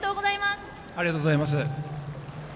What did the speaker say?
ありがとうございます。